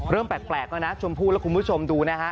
เริ่มแปลกแล้วนะชมพู่และคุณผู้ชมดูนะฮะ